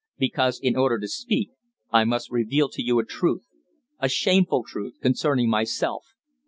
"Because, in order to speak, I must reveal to you a truth a shameful truth concerning myself.